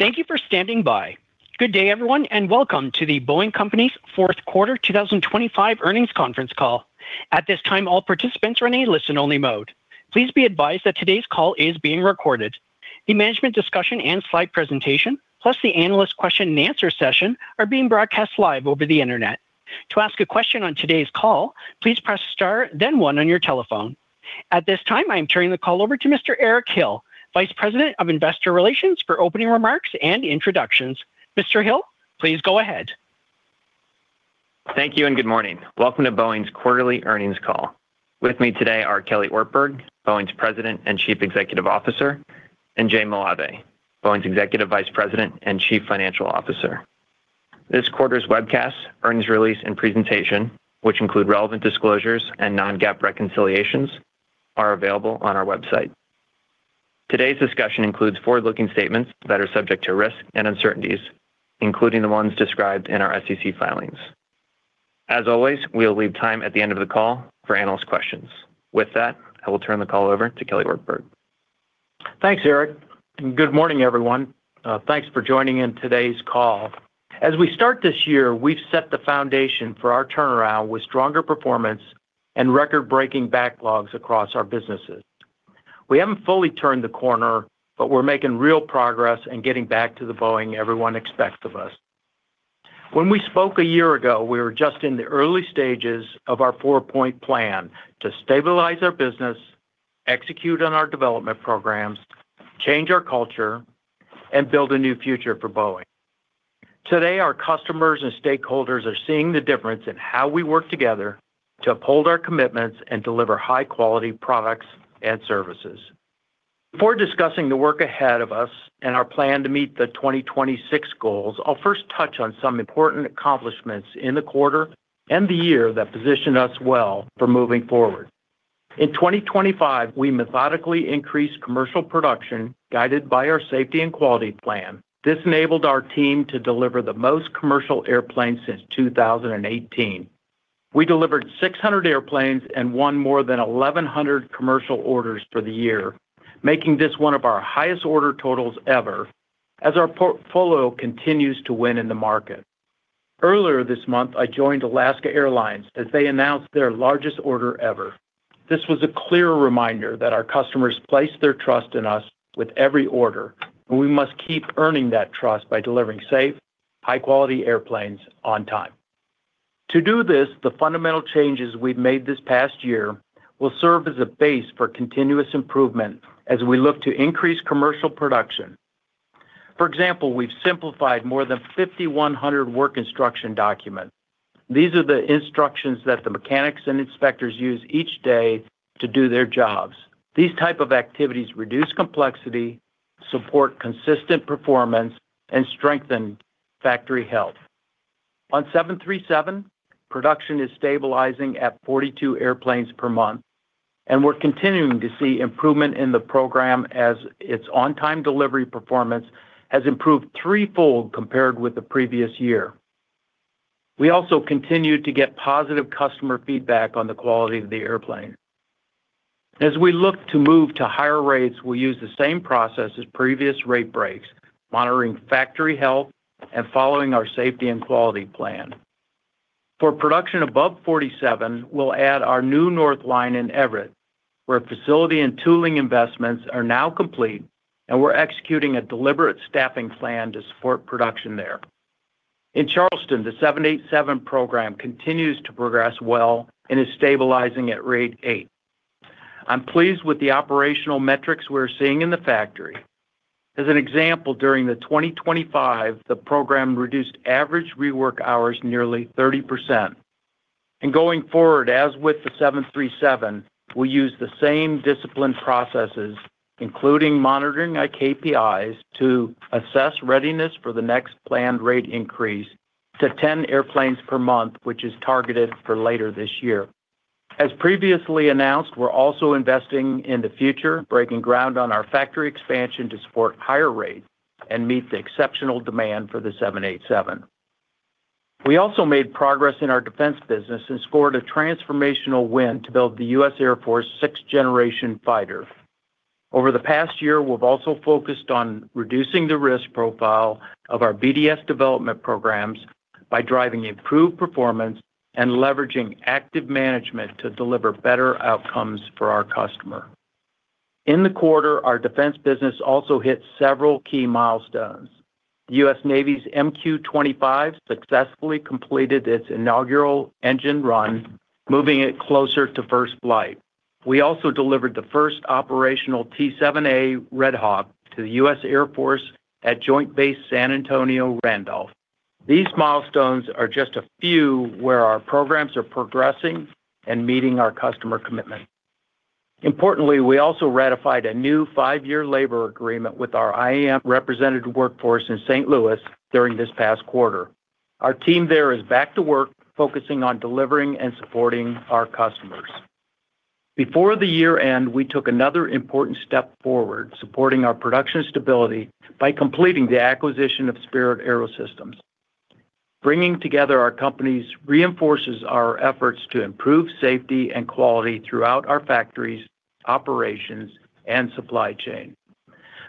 Thank you for standing by. Good day, everyone, and welcome to The Boeing Company's Fourth Quarter 2025 Earnings Conference call. At this time, all participants are in a listen-only mode. Please be advised that today's call is being recorded. The management discussion and slide presentation, plus the analyst question-and-answer session, are being broadcast live over the internet. To ask a question on today's call, please press star, then one on your telephone. At this time, I am turning the call over to Mr. Eric Hill, Vice President of Investor Relations, for opening remarks and introductions. Mr. Hill, please go ahead. Thank you and good morning. Welcome to Boeing's Quarterly Earnings Call. With me today are Kelly Ortberg, Boeing's President and Chief Executive Officer, and Jay Malave, Boeing's Executive Vice President and Chief Financial Officer. This quarter's webcast, earnings release, and presentation, which include relevant disclosures and non-GAAP reconciliations, are available on our website. Today's discussion includes forward-looking statements that are subject to risk and uncertainties, including the ones described in our SEC filings. As always, we'll leave time at the end of the call for analyst questions. With that, I will turn the call over to Kelly Ortberg. Thanks, Eric. Good morning, everyone. Thanks for joining in today's call. As we start this year, we've set the foundation for our turnaround with stronger performance and record-breaking backlogs across our businesses. We haven't fully turned the corner, but we're making real progress and getting back to the Boeing everyone expects of us. When we spoke a year ago, we were just in the early stages of our four-point plan to stabilize our business, execute on our development programs, change our culture, and build a new future for Boeing. Today, our customers and stakeholders are seeing the difference in how we work together to uphold our commitments and deliver high-quality products and services. Before discussing the work ahead of us and our plan to meet the 2026 goals, I'll first touch on some important accomplishments in the quarter and the year that position us well for moving forward. In 2025, we methodically increased commercial production guided by our safety and quality plan. This enabled our team to deliver the most commercial airplanes since 2018. We delivered 600 airplanes and won more than 1,100 commercial orders for the year, making this one of our highest order totals ever, as our portfolio continues to win in the market. Earlier this month, I joined Alaska Airlines as they announced their largest order ever. This was a clear reminder that our customers place their trust in us with every order, and we must keep earning that trust by delivering safe, high-quality airplanes on time. To do this, the fundamental changes we've made this past year will serve as a base for continuous improvement as we look to increase commercial production. For example, we've simplified more than 5,100 work instruction documents. These are the instructions that the mechanics and inspectors use each day to do their jobs. These types of activities reduce complexity, support consistent performance, and strengthen factory health. On 737, production is stabilizing at 42 airplanes per month, and we're continuing to see improvement in the program as its on-time delivery performance has improved threefold compared with the previous year. We also continue to get positive customer feedback on the quality of the airplane. As we look to move to higher rates, we'll use the same process as previous rate breaks, monitoring factory health and following our safety and quality plan. For production above 47, we'll add our new North Line in Everett, where facility and tooling investments are now complete, and we're executing a deliberate staffing plan to support production there. In Charleston, the 787 program continues to progress well and is stabilizing at rate 8. I'm pleased with the operational metrics we're seeing in the factory. As an example, during 2025, the program reduced average rework hours nearly 30%. And going forward, as with the 737, we'll use the same discipline processes, including monitoring our KPIs to assess readiness for the next planned rate increase to 10 airplanes per month, which is targeted for later this year. As previously announced, we're also investing in the future, breaking ground on our factory expansion to support higher rates and meet the exceptional demand for the 787. We also made progress in our defense business and scored a transformational win to build the U.S. Air Force sixth-generation fighter. Over the past year, we've also focused on reducing the risk profile of our BDS development programs by driving improved performance and leveraging active management to deliver better outcomes for our customer. In the quarter, our defense business also hit several key milestones. The U.S. Navy's MQ-25 successfully completed its inaugural engine run, moving it closer to first flight. We also delivered the first operational T-7A Red Hawk to the U.S. Air Force at Joint Base San Antonio-Randolph. These milestones are just a few where our programs are progressing and meeting our customer commitments. Importantly, we also ratified a new five-year labor agreement with our IAM representative workforce in St. Louis during this past quarter. Our team there is back to work, focusing on delivering and supporting our customers. Before the year-end, we took another important step forward, supporting our production stability by completing the acquisition of Spirit AeroSystems. Bringing together our companies reinforces our efforts to improve safety and quality throughout our factories, operations, and supply chain.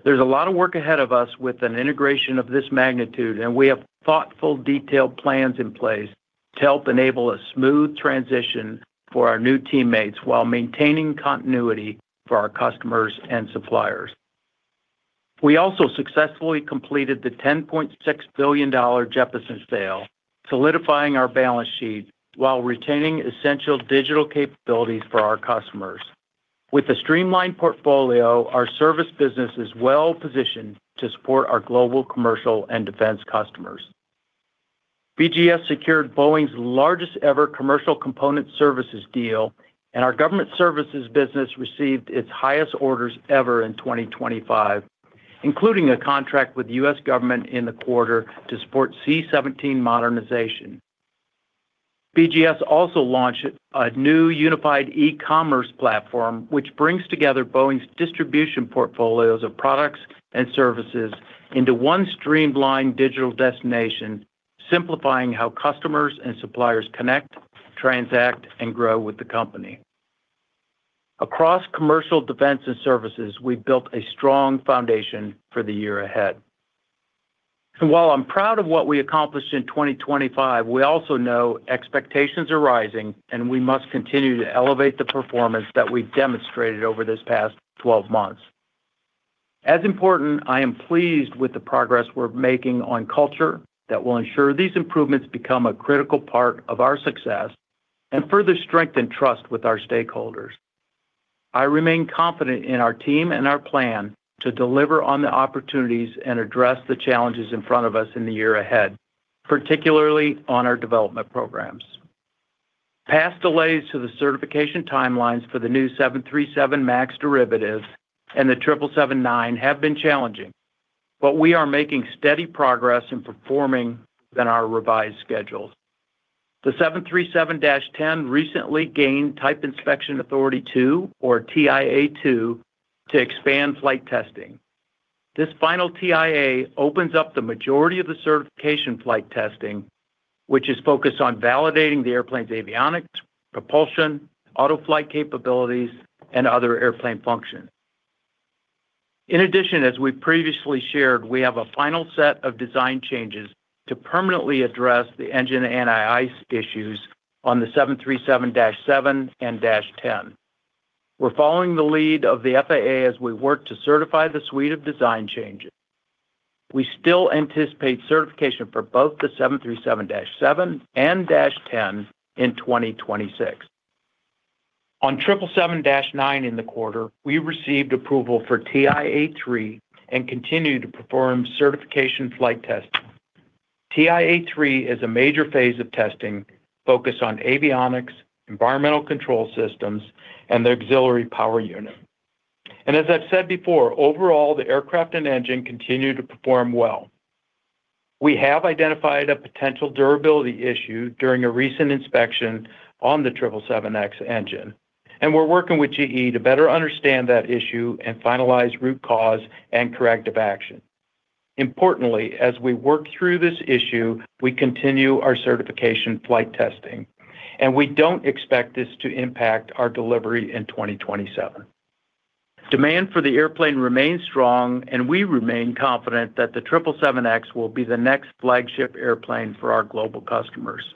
There's a lot of work ahead of us with an integration of this magnitude, and we have thoughtful, detailed plans in place to help enable a smooth transition for our new teammates while maintaining continuity for our customers and suppliers. We also successfully completed the $10.6 billion Jeppesen sale, solidifying our balance sheet while retaining essential digital capabilities for our customers. With a streamlined portfolio, our service business is well positioned to support our global commercial and defense customers. BGS secured Boeing's largest-ever commercial component services deal, and our government services business received its highest orders ever in 2025, including a contract with the U.S. government in the quarter to support C-17 modernization. BGS also launched a new unified e-commerce platform, which brings together Boeing's distribution portfolios of products and services into one streamlined digital destination, simplifying how customers and suppliers connect, transact, and grow with the company. Across commercial, defense, and services, we've built a strong foundation for the year ahead. While I'm proud of what we accomplished in 2025, we also know expectations are rising, and we must continue to elevate the performance that we've demonstrated over this past 12 months. As important, I am pleased with the progress we're making on culture that will ensure these improvements become a critical part of our success and further strengthen trust with our stakeholders. I remain confident in our team and our plan to deliver on the opportunities and address the challenges in front of us in the year ahead, particularly on our development programs. Past delays to the certification timelines for the new 737 MAX derivatives and the 777-9 have been challenging, but we are making steady progress in performing than our revised schedules. The 737-10 recently gained Type Inspection Authorization 2, or TIA 2, to expand flight testing. This final TIA opens up the majority of the certification flight testing, which is focused on validating the airplane's avionics, propulsion, autoflight capabilities, and other airplane functions. In addition, as we've previously shared, we have a final set of design changes to permanently address the engine anti-ice issues on the 737-7 and -10. We're following the lead of the FAA as we work to certify the suite of design changes. We still anticipate certification for both the 737-7 and -10 in 2026. On 777-9 in the quarter, we received approval for TIA 3 and continue to perform certification flight testing. TIA 3 is a major phase of testing focused on avionics, environmental control systems, and the auxiliary power unit. As I've said before, overall, the aircraft and engine continue to perform well. We have identified a potential durability issue during a recent inspection on the 777X engine, and we're working with GE to better understand that issue and finalize root cause and corrective action. Importantly, as we work through this issue, we continue our certification flight testing, and we don't expect this to impact our delivery in 2027. Demand for the airplane remains strong, and we remain confident that the 777X will be the next flagship airplane for our global customers.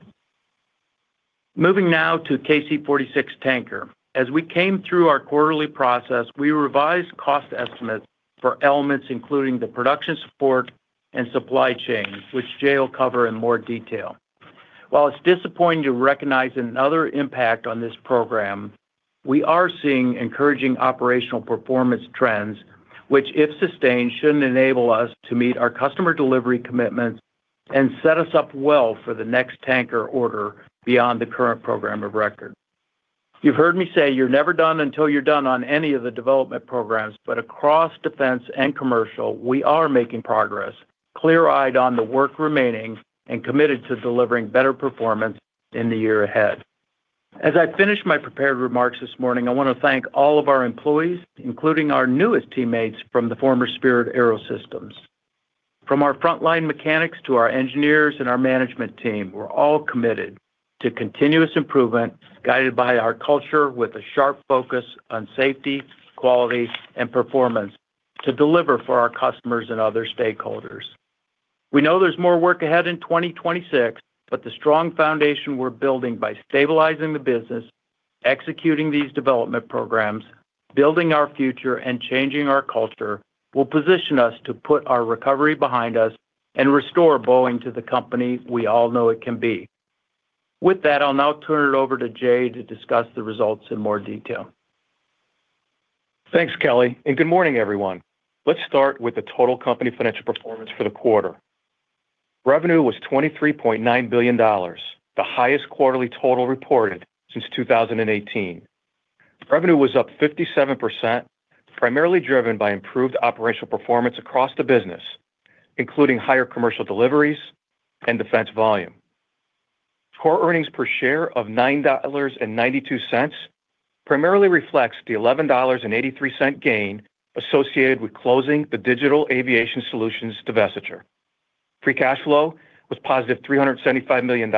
Moving now to KC-46 tanker. As we came through our quarterly process, we revised cost estimates for elements including the production support and supply chain, which Jay will cover in more detail. While it's disappointing to recognize another impact on this program, we are seeing encouraging operational performance trends, which, if sustained, should enable us to meet our customer delivery commitments and set us up well for the next tanker order beyond the current program of record. You've heard me say you're never done until you're done on any of the development programs, but across defense and commercial, we are making progress, clear-eyed on the work remaining, and committed to delivering better performance in the year ahead. As I finish my prepared remarks this morning, I want to thank all of our employees, including our newest teammates from the former Spirit AeroSystems. From our frontline mechanics to our engineers and our management team, we're all committed to continuous improvement guided by our culture with a sharp focus on safety, quality, and performance to deliver for our customers and other stakeholders. We know there's more work ahead in 2026, but the strong foundation we're building by stabilizing the business, executing these development programs, building our future, and changing our culture will position us to put our recovery behind us and restore Boeing to the company we all know it can be. With that, I'll now turn it over to Jay to discuss the results in more detail. Thanks, Kelly. Good morning, everyone. Let's start with the total company financial performance for the quarter. Revenue was $23.9 billion, the highest quarterly total reported since 2018. Revenue was up 57%, primarily driven by improved operational performance across the business, including higher commercial deliveries and defense volume. Core earnings per share of $9.92 primarily reflects the $11.83 gain associated with closing the Digital Aviation Solutions divestiture. Free cash flow was positive $375 million,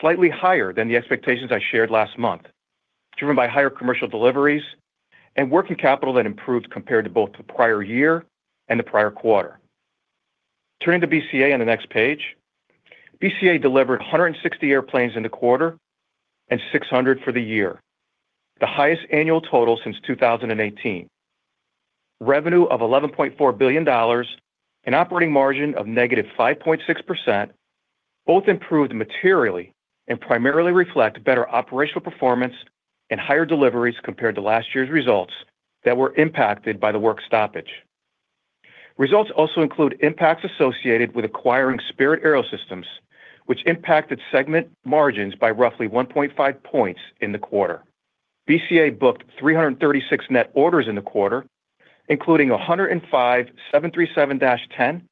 slightly higher than the expectations I shared last month, driven by higher commercial deliveries and working capital that improved compared to both the prior year and the prior quarter. Turning to BCA on the next page, BCA delivered 160 airplanes in the quarter and 600 for the year, the highest annual total since 2018. Revenue of $11.4 billion and operating margin of negative 5.6% both improved materially and primarily reflect better operational performance and higher deliveries compared to last year's results that were impacted by the work stoppage. Results also include impacts associated with acquiring Spirit AeroSystems, which impacted segment margins by roughly 1.5 points in the quarter. BCA booked 336 net orders in the quarter, including 105 737-10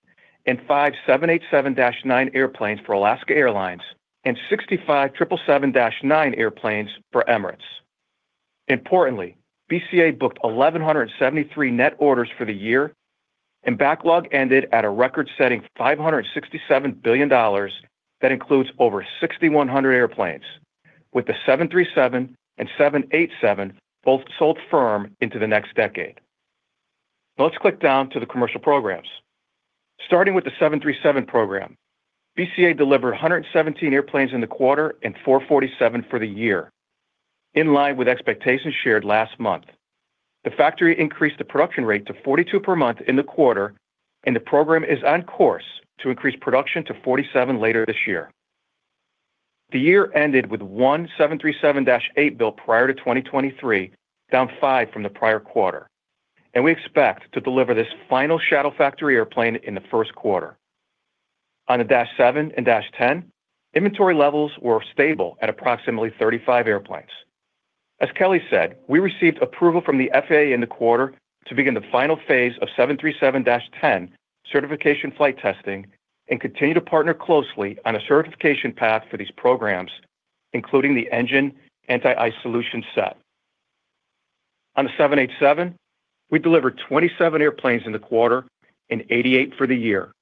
and 5 787-9 airplanes for Alaska Airlines and 65 777-9 airplanes for Emirates. Importantly, BCA booked 1,173 net orders for the year, and backlog ended at a record-setting $567 billion that includes over 6,100 airplanes, with the 737 and 787 both sold firm into the next decade. Let's click down to the commercial programs. Starting with the 737 program, BCA delivered 117 airplanes in the quarter and 447 for the year, in line with expectations shared last month. The factory increased the production rate to 42 per month in the quarter, and the program is on course to increase production to 47 later this year. The year ended with one 737-8 built prior to 2023, down five from the prior quarter, and we expect to deliver this final shadow factory airplane in the first quarter. On the -7 and -10, inventory levels were stable at approximately 35 airplanes. As Kelly said, we received approval from the FAA in the quarter to begin the final phase of 737-10 certification flight testing and continue to partner closely on a certification path for these programs, including the engine anti-ice solution set. On the 787, we delivered 27 airplanes in the quarter and 88 for the year.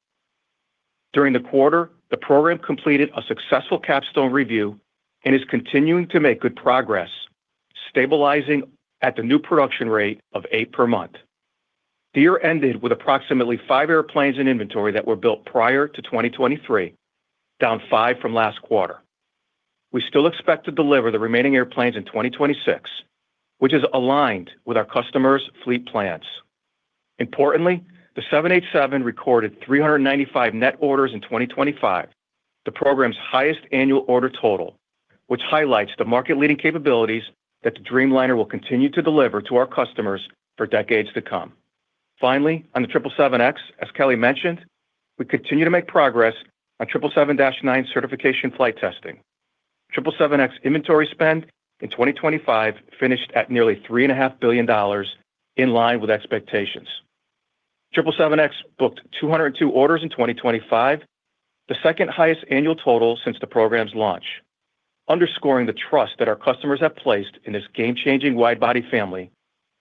During the quarter, the program completed a successful capstone review and is continuing to make good progress, stabilizing at the new production rate of eight per month. The year ended with approximately five airplanes in inventory that were built prior to 2023, down five from last quarter. We still expect to deliver the remaining airplanes in 2026, which is aligned with our customers' fleet plans. Importantly, the 787 recorded 395 net orders in 2025, the program's highest annual order total, which highlights the market-leading capabilities that the Dreamliner will continue to deliver to our customers for decades to come. Finally, on the 777X, as Kelly mentioned, we continue to make progress on 777-9 certification flight testing. 777X inventory spend in 2025 finished at nearly $3.5 billion, in line with expectations. 777X booked 202 orders in 2025, the second highest annual total since the program's launch, underscoring the trust that our customers have placed in this game-changing wide-body family,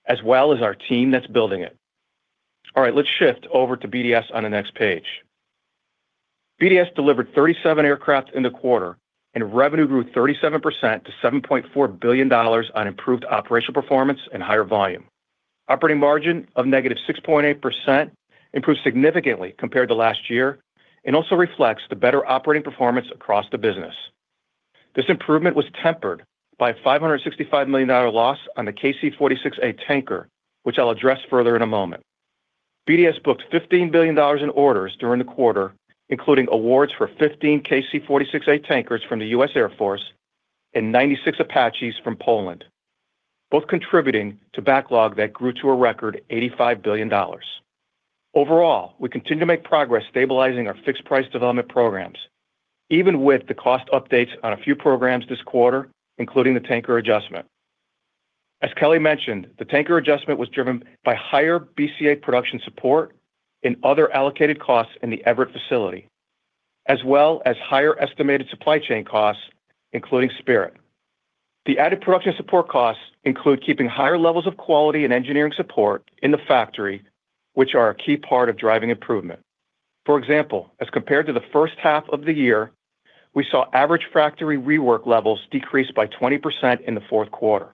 as well as our team that's building it. All right, let's shift over to BDS on the next page. BDS delivered 37 aircraft in the quarter, and revenue grew 37% to $7.4 billion on improved operational performance and higher volume. Operating margin of negative 6.8% improved significantly compared to last year and also reflects the better operating performance across the business. This improvement was tempered by a $565 million loss on the KC-46A tanker, which I'll address further in a moment. BDS booked $15 billion in orders during the quarter, including awards for 15 KC-46A tankers from the U.S. Air Force and 96 Apaches from Poland, both contributing to backlog that grew to a record $85 billion. Overall, we continue to make progress stabilizing our fixed-price development programs, even with the cost updates on a few programs this quarter, including the tanker adjustment. As Kelly mentioned, the tanker adjustment was driven by higher BCA production support and other allocated costs in the Everett facility, as well as higher estimated supply chain costs, including Spirit. The added production support costs include keeping higher levels of quality and engineering support in the factory, which are a key part of driving improvement. For example, as compared to the first half of the year, we saw average factory rework levels decrease by 20% in the fourth quarter.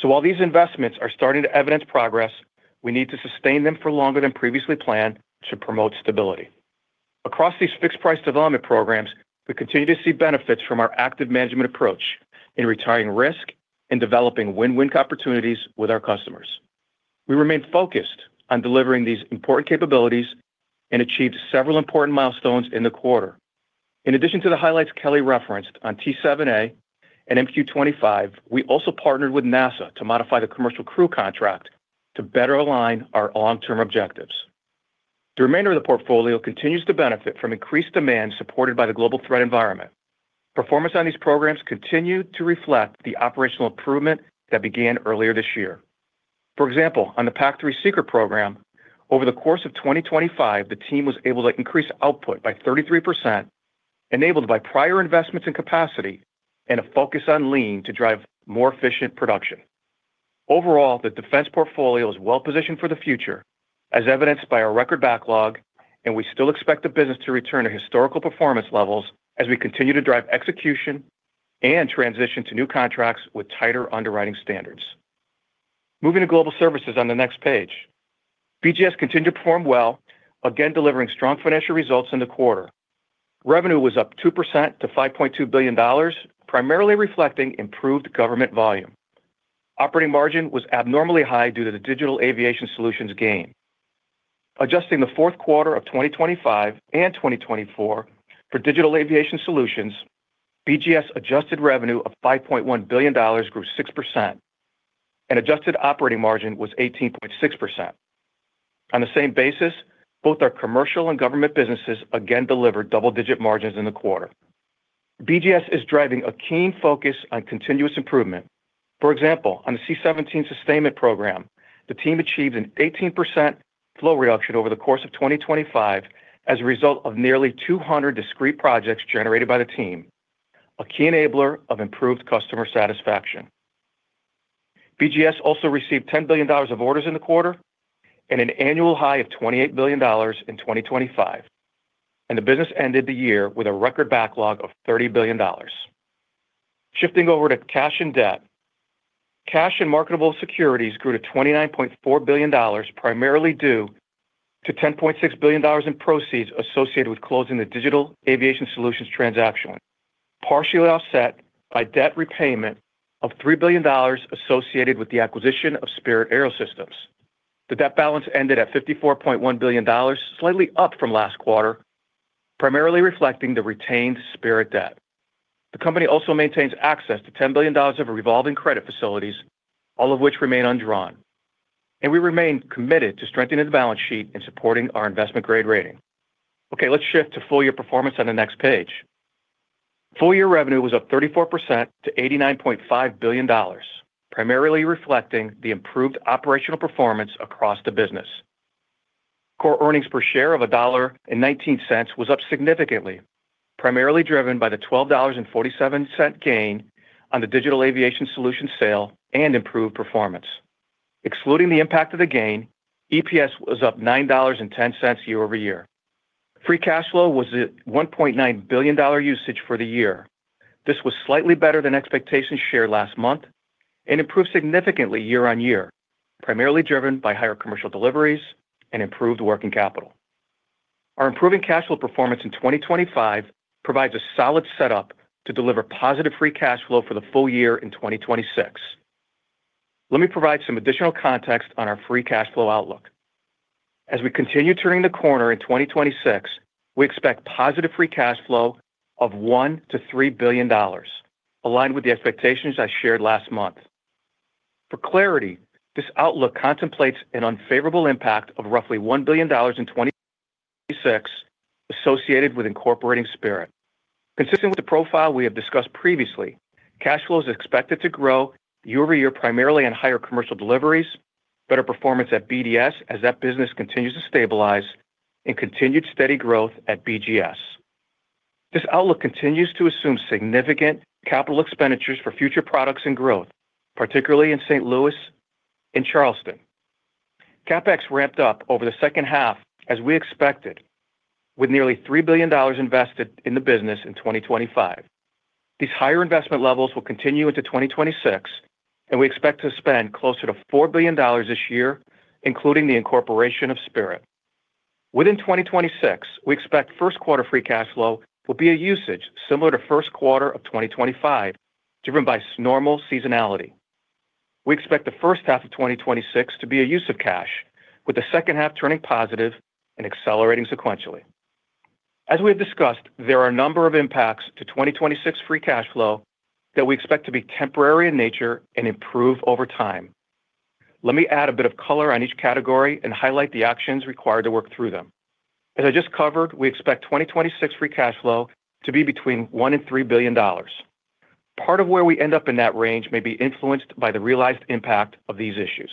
So while these investments are starting to evidence progress, we need to sustain them for longer than previously planned to promote stability. Across these fixed-price development programs, we continue to see benefits from our active management approach in retiring risk and developing win-win opportunities with our customers. We remain focused on delivering these important capabilities and achieved several important milestones in the quarter. In addition to the highlights Kelly referenced on T-7A and MQ-25, we also partnered with NASA to modify the Commercial Crew contract to better align our long-term objectives. The remainder of the portfolio continues to benefit from increased demand supported by the global threat environment. Performance on these programs continued to reflect the operational improvement that began earlier this year. For example, on the PAC-3 Seeker program, over the course of 2025, the team was able to increase output by 33%, enabled by prior investments in capacity and a focus on lean to drive more efficient production. Overall, the defense portfolio is well-positioned for the future, as evidenced by our record backlog, and we still expect the business to return to historical performance levels as we continue to drive execution and transition to new contracts with tighter underwriting standards. Moving to global services on the next page, BGS continued to perform well, again delivering strong financial results in the quarter. Revenue was up 2% to $5.2 billion, primarily reflecting improved government volume. Operating margin was abnormally high due to the Digital Aviation Solutions gain. Adjusting the fourth quarter of 2025 and 2024 for Digital Aviation Solutions, BGS adjusted revenue of $5.1 billion grew 6%, and adjusted operating margin was 18.6%. On the same basis, both our commercial and government businesses again delivered double-digit margins in the quarter. BGS is driving a keen focus on continuous improvement. For example, on the C-17 sustainment program, the team achieved an 18% flow reduction over the course of 2025 as a result of nearly 200 discrete projects generated by the team, a key enabler of improved customer satisfaction. BGS also received $10 billion of orders in the quarter and an annual high of $28 billion in 2025, and the business ended the year with a record backlog of $30 billion. Shifting over to cash and debt, cash and marketable securities grew to $29.4 billion, primarily due to $10.6 billion in proceeds associated with closing the Digital Aviation Solutions transaction, partially offset by debt repayment of $3 billion associated with the acquisition of Spirit AeroSystems. The debt balance ended at $54.1 billion, slightly up from last quarter, primarily reflecting the retained Spirit debt. The company also maintains access to $10 billion of revolving credit facilities, all of which remain undrawn, and we remain committed to strengthening the balance sheet and supporting our investment-grade rating. Okay, let's shift to full-year performance on the next page. Full-year revenue was up 34% to $89.5 billion, primarily reflecting the improved operational performance across the business. Core Earnings Per Share of $1.19 was up significantly, primarily driven by the $12.47 gain on the Digital Aviation Solutions sale and improved performance. Excluding the impact of the gain, EPS was up $9.10 year-over-year. Free cash flow was at $1.9 billion usage for the year. This was slightly better than expectations shared last month and improved significantly year-over-year, primarily driven by higher commercial deliveries and improved working capital. Our improving cash flow performance in 2025 provides a solid setup to deliver positive free cash flow for the full year in 2026. Let me provide some additional context on our free cash flow outlook. As we continue turning the corner in 2026, we expect positive free cash flow of $1-$3 billion, aligned with the expectations I shared last month. For clarity, this outlook contemplates an unfavorable impact of roughly $1 billion in 2026 associated with incorporating Spirit. Consistent with the profile we have discussed previously, cash flow is expected to grow year-over-year, primarily on higher commercial deliveries, better performance at BDS as that business continues to stabilize, and continued steady growth at BGS. This outlook continues to assume significant capital expenditures for future products and growth, particularly in St. Louis and Charleston. CapEx ramped up over the second half, as we expected, with nearly $3 billion invested in the business in 2025. These higher investment levels will continue into 2026, and we expect to spend closer to $4 billion this year, including the incorporation of Spirit. Within 2026, we expect first quarter free cash flow will be a usage similar to first quarter of 2025, driven by normal seasonality. We expect the first half of 2026 to be a use of cash, with the second half turning positive and accelerating sequentially. As we have discussed, there are a number of impacts to 2026 free cash flow that we expect to be temporary in nature and improve over time. Let me add a bit of color on each category and highlight the actions required to work through them. As I just covered, we expect 2026 free cash flow to be between $1-$3 billion. Part of where we end up in that range may be influenced by the realized impact of these issues.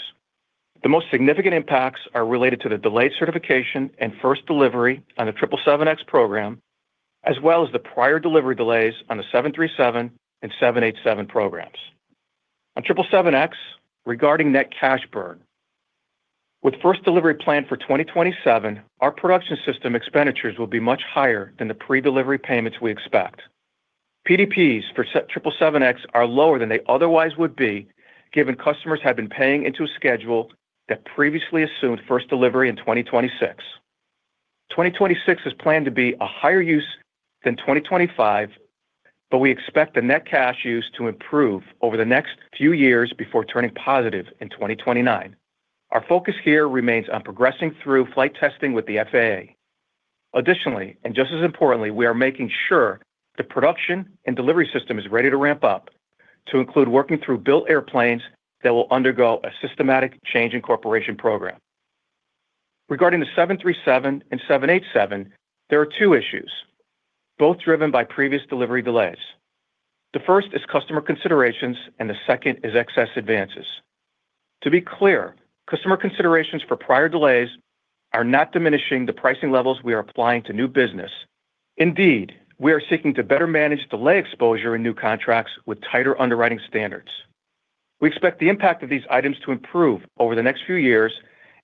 The most significant impacts are related to the delayed certification and first delivery on the 777X program, as well as the prior delivery delays on the 737 and 787 programs. On 777X, regarding net cash burn, with first delivery planned for 2027, our production system expenditures will be much higher than the pre-delivery payments we expect. PDPs for 777X are lower than they otherwise would be, given customers have been paying into a schedule that previously assumed first delivery in 2026. 2026 is planned to be a higher use than 2025, but we expect the net cash use to improve over the next few years before turning positive in 2029. Our focus here remains on progressing through flight testing with the FAA. Additionally, and just as importantly, we are making sure the production and delivery system is ready to ramp up, to include working through built airplanes that will undergo a systematic change incorporation program. Regarding the 737 and 787, there are two issues, both driven by previous delivery delays. The first is customer considerations, and the second is excess advances. To be clear, customer considerations for prior delays are not diminishing the pricing levels we are applying to new business. Indeed, we are seeking to better manage delay exposure in new contracts with tighter underwriting standards. We expect the impact of these items to improve over the next few years,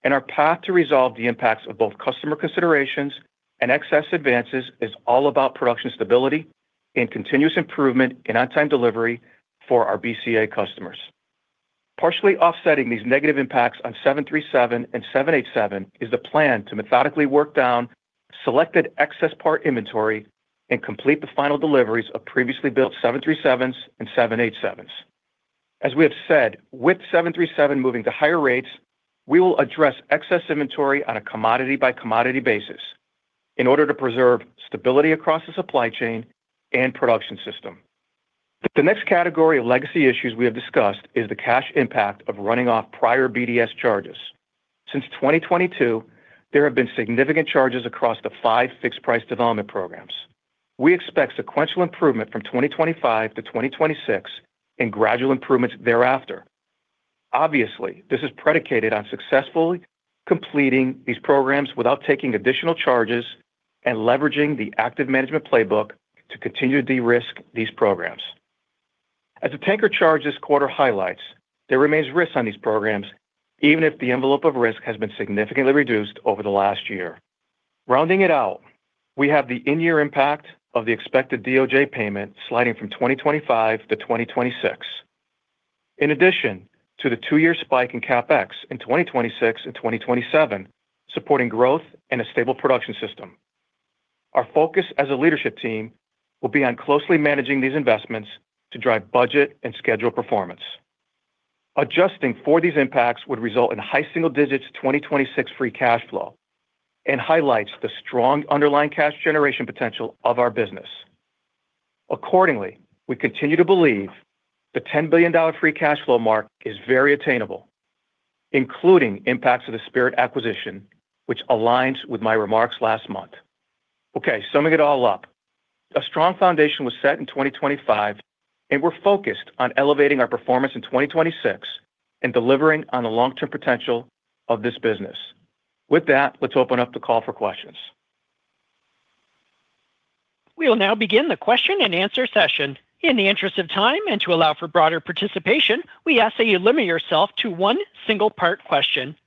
and our path to resolve the impacts of both customer considerations and excess advances is all about production stability and continuous improvement in on-time delivery for our BCA customers. Partially offsetting these negative impacts on 737 and 787 is the plan to methodically work down selected excess part inventory and complete the final deliveries of previously built 737s and 787s. As we have said, with 737 moving to higher rates, we will address excess inventory on a commodity-by-commodity basis in order to preserve stability across the supply chain and production system. The next category of legacy issues we have discussed is the cash impact of running off prior BDS charges. Since 2022, there have been significant charges across the five fixed-price development programs. We expect sequential improvement from 2025 to 2026 and gradual improvements thereafter. Obviously, this is predicated on successfully completing these programs without taking additional charges and leveraging the active management playbook to continue to de-risk these programs. As the tanker charge this quarter highlights, there remains risk on these programs, even if the envelope of risk has been significantly reduced over the last year. Rounding it out, we have the in-year impact of the expected DOJ payment sliding from 2025 to 2026, in addition to the two-year spike in CapEx in 2026 and 2027, supporting growth and a stable production system. Our focus as a leadership team will be on closely managing these investments to drive budget and schedule performance. Adjusting for these impacts would result in high single-digits 2026 free cash flow and highlights the strong underlying cash generation potential of our business. Accordingly, we continue to believe the $10 billion free cash flow mark is very attainable, including impacts of the Spirit acquisition, which aligns with my remarks last month. Okay, summing it all up, a strong foundation was set in 2025, and we're focused on elevating our performance in 2026 and delivering on the long-term potential of this business. With that, let's open up the call for questions. We will now begin the question and answer session. In the interest of time and to allow for broader participation, we ask that you limit yourself to one single-part question.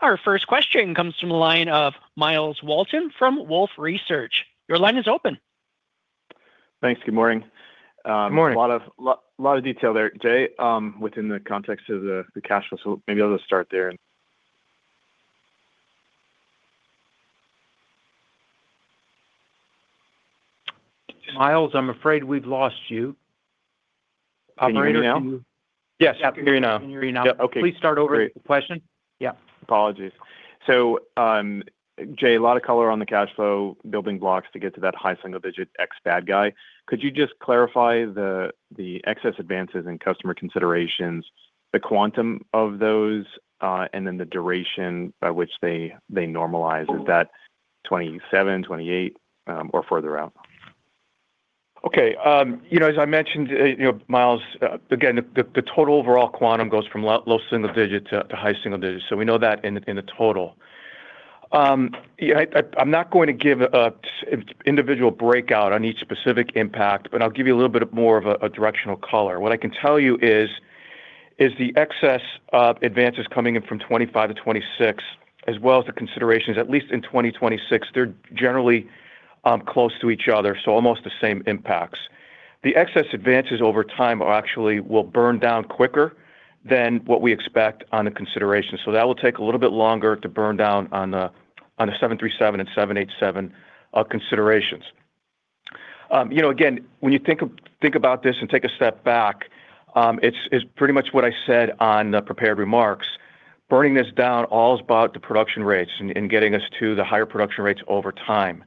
Our first question comes from the line of Myles Walton from Wolfe Research. Your line is open. Thanks. Good morning. Good morning. A lot of detail there, Jay, within the context of the cash flow. So maybe I'll just start there. Miles, I'm afraid we've lost you. Happy hearing you. Yes, happy hearing you. Yep. Okay. Please start over the question. Yeah. Apologies. So, Jay, a lot of color on the cash flow building blocks to get to that high single-digit X bad guy. Could you just clarify the excess advances and customer considerations, the quantum of those, and then the duration by which they normalize? Is that 2027, 2028, or further out? Okay. As I mentioned, Miles, again, the total overall quantum goes from low single digit to high single digit. So we know that in the total. I'm not going to give an individual breakout on each specific impact, but I'll give you a little bit more of a directional color. What I can tell you is the excess advances coming in from 2025 to 2026, as well as the considerations, at least in 2026, they're generally close to each other, so almost the same impacts. The excess advances over time will burn down quicker than what we expect on the considerations. So that will take a little bit longer to burn down on the 737 and 787 considerations. Again, when you think about this and take a step back, it's pretty much what I said on the prepared remarks. Burning this down all is about the production rates and getting us to the higher production rates over time.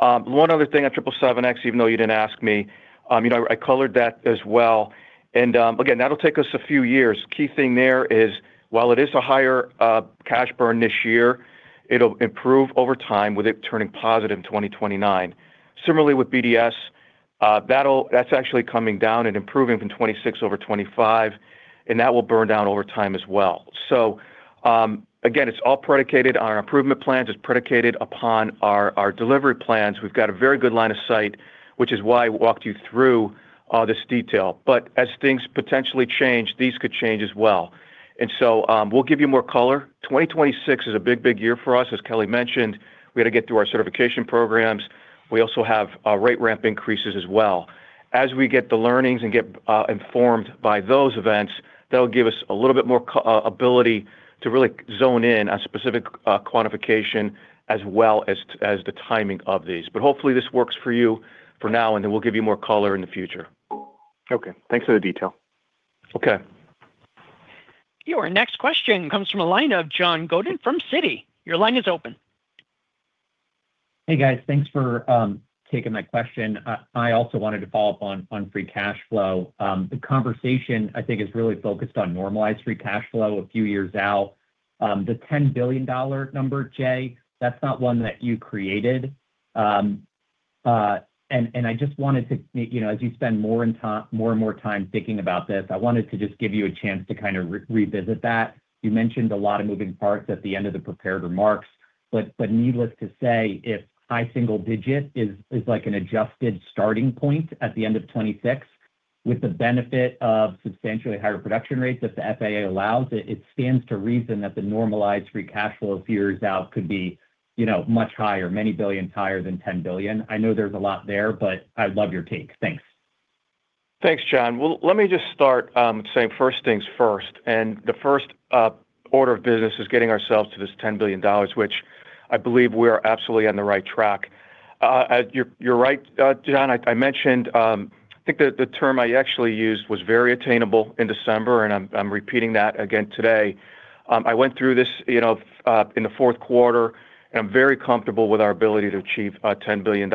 One other thing on 777X, even though you didn't ask me, I covered that as well. And again, that'll take us a few years. Key thing there is, while it is a higher cash burn this year, it'll improve over time with it turning positive in 2029. Similarly, with BDS, that's actually coming down and improving from 2026 over 2025, and that will burn down over time as well. So again, it's all predicated on our improvement plans. It's predicated upon our delivery plans. We've got a very good line of sight, which is why I walked you through all this detail. But as things potentially change, these could change as well. And so we'll give you more color. 2026 is a big, big year for us. As Kelly mentioned, we had to get through our certification programs. We also have rate ramp increases as well. As we get the learnings and get informed by those events, that'll give us a little bit more ability to really zone in on specific quantification as well as the timing of these. But hopefully, this works for you for now, and then we'll give you more color in the future. Okay. Thanks for the detail. Okay. Your next question comes from a line of John Godin from Citi. Your line is open. Hey, guys. Thanks for taking my question. I also wanted to follow up on free cash flow. The conversation, I think, is really focused on normalized free cash flow a few years out. The $10 billion number, Jay, that's not one that you created. And I just wanted to, as you spend more and more time thinking about this, I wanted to just give you a chance to kind of revisit that. You mentioned a lot of moving parts at the end of the prepared remarks. But needless to say, if high single digit is an adjusted starting point at the end of 2026, with the benefit of substantially higher production rates if the FAA allows, it stands to reason that the normalized free cash flow a few years out could be much higher, many billions higher than $10 billion. I know there's a lot there, but I love your take. Thanks. Thanks, John. Well, let me just start saying first things first. The first order of business is getting ourselves to this $10 billion, which I believe we are absolutely on the right track. You're right, John. I think the term I actually used was very attainable in December, and I'm repeating that again today. I went through this in the fourth quarter, and I'm very comfortable with our ability to achieve $10 billion.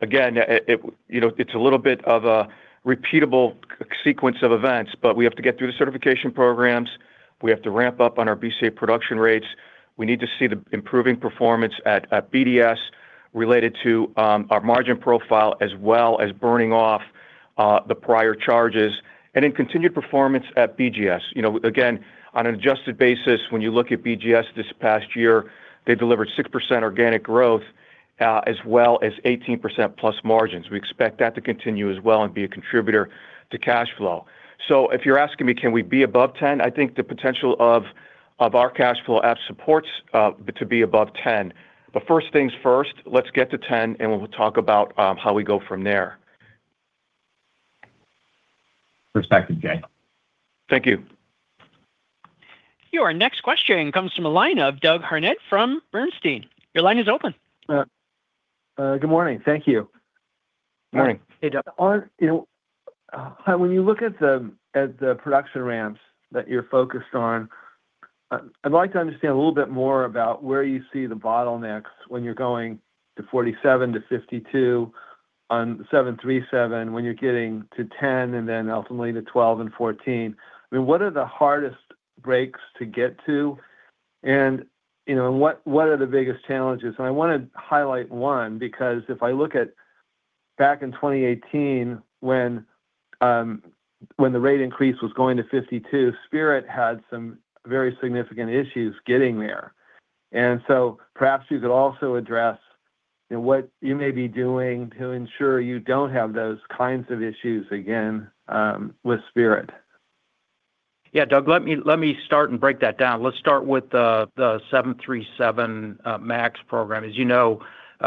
Again, it's a little bit of a repeatable sequence of events, but we have to get through the certification programs. We have to ramp up on our BCA production rates. We need to see the improving performance at BDS related to our margin profile, as well as burning off the prior charges, and then continued performance at BGS. Again, on an adjusted basis, when you look at BGS this past year, they delivered 6% organic growth, as well as 18%+ margins. We expect that to continue as well and be a contributor to cash flow. So if you're asking me, can we be above 10, I think the potential of our cash flow app supports to be above 10. But first things first, let's get to 10, and we'll talk about how we go from there. Thank you, Jay. Your next question comes from a line of Doug Harned from Bernstein. Your line is open. Good morning. Thank you. Morning. Hey, Doug. When you look at the production ramps that you're focused on, I'd like to understand a little bit more about where you see the bottlenecks when you're going to 47-52 on 737, when you're getting to 10, and then ultimately to 12 and 14. I mean, what are the hardest breaks to get to, and what are the biggest challenges? And I want to highlight one because if I look at back in 2018, when the rate increase was going to 52, Spirit had some very significant issues getting there. And so perhaps you could also address what you may be doing to ensure you don't have those kinds of issues again with Spirit. Yeah, Doug, let me start and break that down. Let's start with the 737 MAX program. As you know,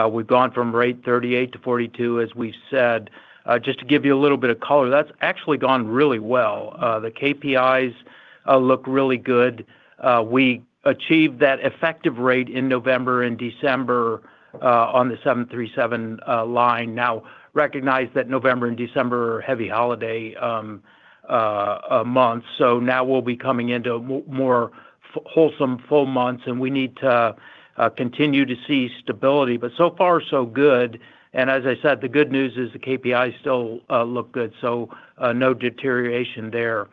we've gone from rate 38-42, as we said. Just to give you a little bit of color, that's actually gone really well. The KPIs look really good. We achieved that effective rate in November and December on the 737 line. Now, recognize that November and December are heavy holiday months. So now we'll be coming into more wholesome, full months, and we need to continue to see stability. But so far, so good. And as I said, the good news is the KPIs still look good, so no deterioration there.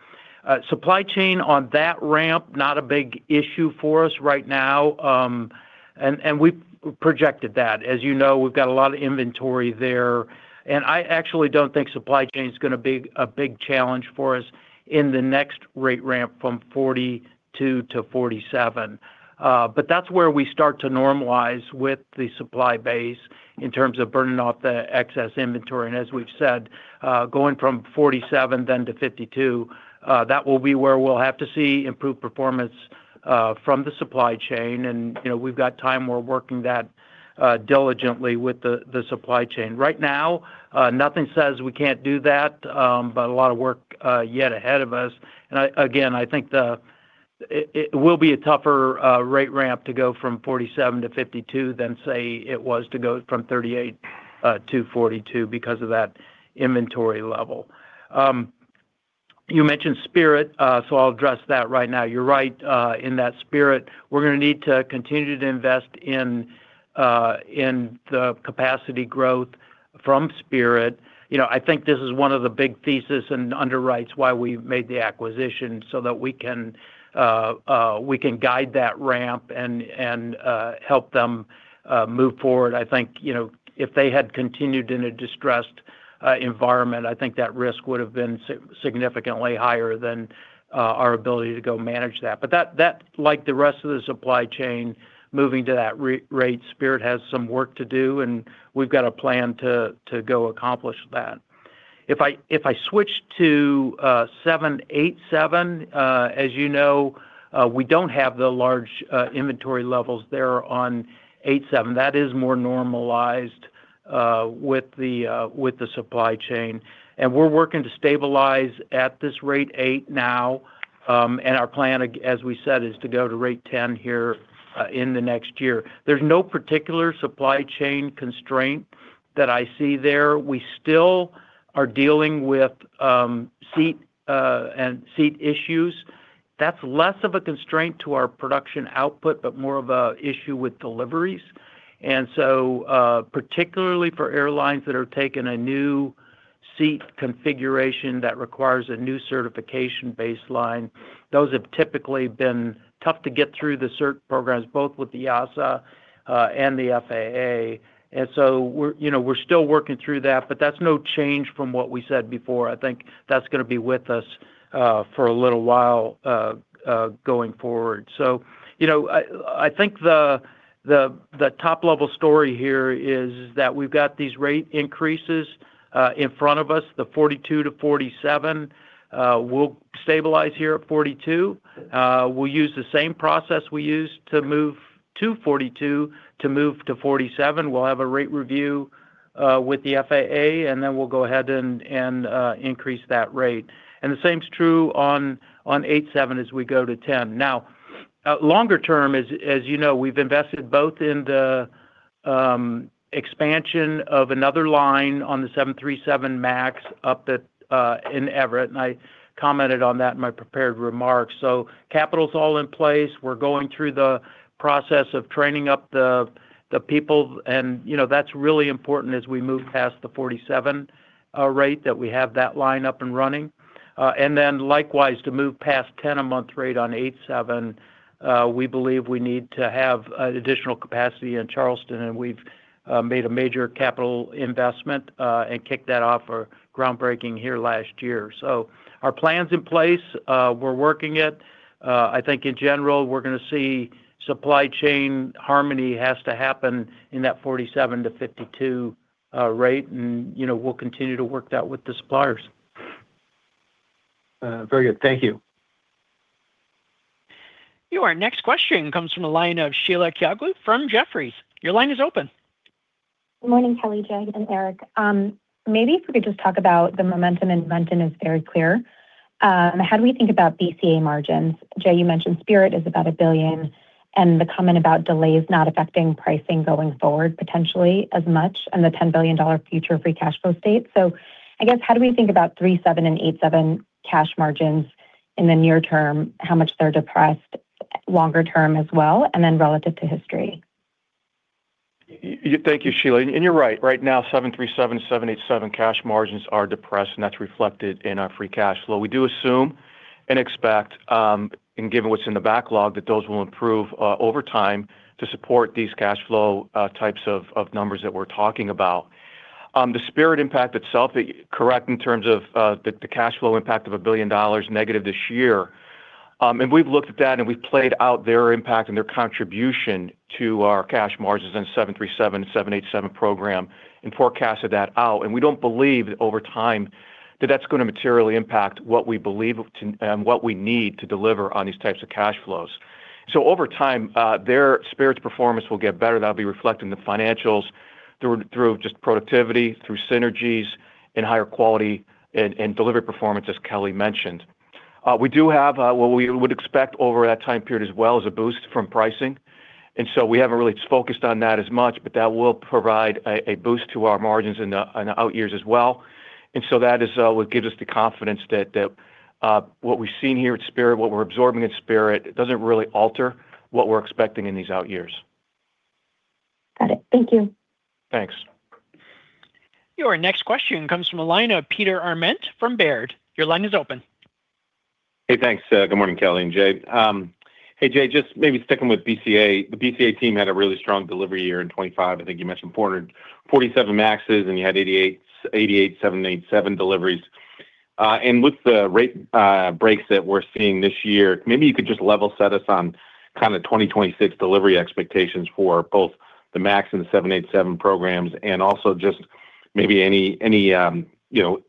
Supply chain on that ramp, not a big issue for us right now. And we've projected that. As you know, we've got a lot of inventory there. And I actually don't think supply chain is going to be a big challenge for us in the next rate ramp from 42 to 47. But that's where we start to normalize with the supply base in terms of burning off the excess inventory. And as we've said, going from 47 then to 52, that will be where we'll have to see improved performance from the supply chain. And we've got time. We're working that diligently with the supply chain. Right now, nothing says we can't do that, but a lot of work yet ahead of us. And again, I think it will be a tougher rate ramp to go from 47 to 52 than say it was to go from 38 to 42 because of that inventory level. You mentioned Spirit, so I'll address that right now. You're right in that Spirit. We're going to need to continue to invest in the capacity growth from Spirit. I think this is one of the big theses and underwrites why we made the acquisition so that we can guide that ramp and help them move forward. I think if they had continued in a distressed environment, I think that risk would have been significantly higher than our ability to go manage that. But like the rest of the supply chain, moving to that rate, Spirit has some work to do, and we've got a plan to go accomplish that. If I switch to 787, as you know, we don't have the large inventory levels there on 87. That is more normalized with the supply chain. And we're working to stabilize at this rate 8 now. And our plan, as we said, is to go to rate 10 here in the next year. There's no particular supply chain constraint that I see there. We still are dealing with seat issues. That's less of a constraint to our production output, but more of an issue with deliveries. And so particularly for airlines that are taking a new seat configuration that requires a new certification baseline, those have typically been tough to get through the cert programs, both with the EASA and the FAA. And so we're still working through that, but that's no change from what we said before. I think that's going to be with us for a little while going forward. So I think the top-level story here is that we've got these rate increases in front of us. The 42 to 47 will stabilize here at 42. We'll use the same process we used to move to 42 to move to 47. We'll have a rate review with the FAA, and then we'll go ahead and increase that rate. The same is true on the 787 as we go to 10. Now, longer term, as you know, we've invested both in the expansion of another line on the 737 MAX up in Everett. And I commented on that in my prepared remarks. So capital's all in place. We're going through the process of training up the people. And that's really important as we move past the 47 rate that we have that line up and running. And then likewise, to move past 10 a month rate on the 787, we believe we need to have additional capacity in Charleston. And we've made a major capital investment and kicked that off for groundbreaking here last year. So our plan's in place. We're working it. I think in general, we're going to see supply chain harmony has to happen in that 47 to 52 rate. We'll continue to work that with the suppliers. Very good. Thank you. Your next question comes from a line of Sheila Kahyaoglu from Jefferies. Your line is open. Good morning, Kelly, Jay, and Eric. Maybe if we could just talk about the momentum in momentum is very clear. How do we think about BCA margins? Jay, you mentioned Spirit is about $1 billion, and the comment about delays not affecting pricing going forward potentially as much and the $10 billion future free cash flow state. So I guess how do we think about 737 and 787 cash margins in the near term, how much they're depressed longer term as well, and then relative to history? Thank you, Sheila. You're right. Right now, 737 and 787 cash margins are depressed, and that's reflected in our free cash flow. We do assume and expect, and given what's in the backlog, that those will improve over time to support these cash flow types of numbers that we're talking about. The Spirit impact itself, correct in terms of the cash flow impact of $1 billion negative this year. We've looked at that, and we've played out their impact and their contribution to our cash margins and 737 and 787 program and forecasted that out. We don't believe over time that that's going to materially impact what we believe and what we need to deliver on these types of cash flows. Over time, their Spirit's performance will get better. That'll be reflected in the financials through just productivity, through synergies and higher quality and delivery performance, as Kelly mentioned. We do have what we would expect over that time period as well as a boost from pricing. And so we haven't really focused on that as much, but that will provide a boost to our margins in the out years as well. And so that is what gives us the confidence that what we've seen here at Spirit, what we're absorbing at Spirit, doesn't really alter what we're expecting in these out years. Got it. Thank you. Thanks. Your next question comes from a line of Peter Arment from Baird. Your line is open. Hey, thanks. Good morning, Kelly and Jay. Hey, Jay, just maybe sticking with BCA. The BCA team had a really strong delivery year in 2025. I think you mentioned 47 MAXes, and you had 88 787 deliveries. With the rate breaks that we're seeing this year, maybe you could just level set us on kind of 2026 delivery expectations for both the MAX and the 787 programs and also just maybe any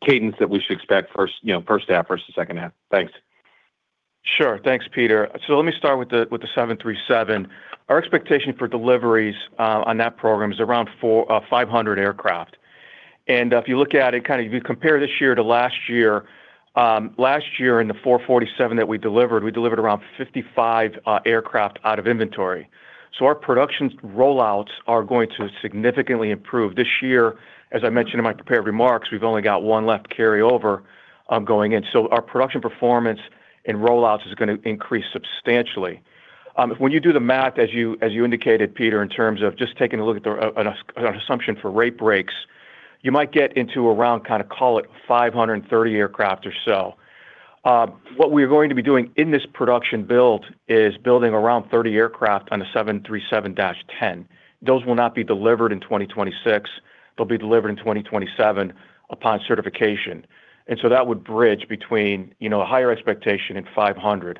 cadence that we should expect first half versus second half. Thanks. Sure. Thanks, Peter. So let me start with the 737. Our expectation for deliveries on that program is around 500 aircraft. And if you look at it, kind of if you compare this year to last year, last year in the 447 that we delivered, we delivered around 55 aircraft out of inventory. So our production rollouts are going to significantly improve. This year, as I mentioned in my prepared remarks, we've only got one left carryover going in. So our production performance and rollouts is going to increase substantially. When you do the math, as you indicated, Peter, in terms of just taking a look at an assumption for rate breaks, you might get into around kind of call it 530 aircraft or so. What we're going to be doing in this production build is building around 30 aircraft on the 737-10. Those will not be delivered in 2026. They'll be delivered in 2027 upon certification. And so that would bridge between a higher expectation and 500.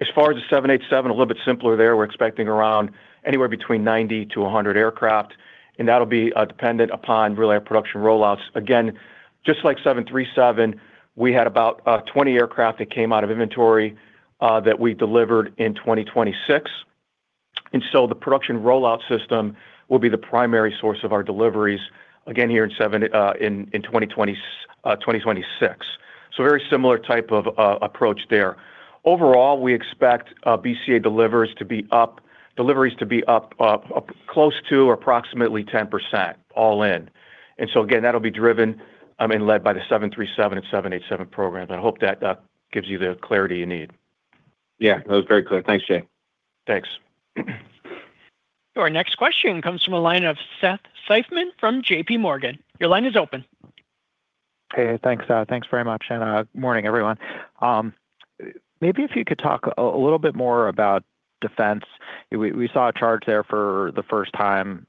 As far as the 787, a little bit simpler there. We're expecting around anywhere between 90-100 aircraft. And that'll be dependent upon really our production rollouts. Again, just like 737, we had about 20 aircraft that came out of inventory that we delivered in 2026. And so the production rollout system will be the primary source of our deliveries again here in 2026. So very similar type of approach there. Overall, we expect BCA deliveries to be up close to or approximately 10% all in. And so again, that'll be driven and led by the 737 and 787 program. I hope that gives you the clarity you need. Yeah, that was very clear. Thanks, Jay. Thanks. Your next question comes from a line of Seth Seifman from J.P. Morgan. Your line is open. Hey, thanks, thanks very much. And good morning, everyone. Maybe if you could talk a little bit more about defense. We saw a charge there for the first time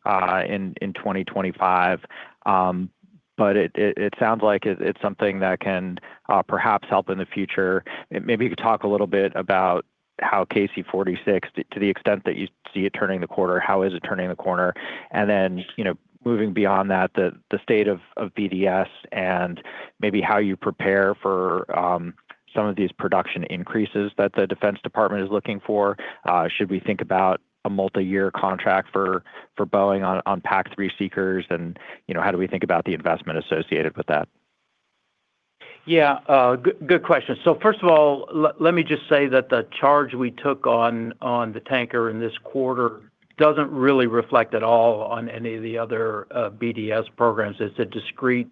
in 2025, but it sounds like it's something that can perhaps help in the future. Maybe you could talk a little bit about how KC-46, to the extent that you see it turning the corner, how is it turning the corner? Then moving beyond that, the state of BDS and maybe how you prepare for some of these production increases that the Defense Department is looking for. Should we think about a multi-year contract for Boeing on PAC-3 seekers? And how do we think about the investment associated with that? Yeah, good question. So first of all, let me just say that the charge we took on the tanker in this quarter doesn't really reflect at all on any of the other BDS programs. It's a discrete